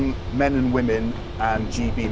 dan men dan wanita gb